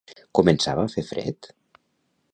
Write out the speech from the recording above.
Començava a fer fred?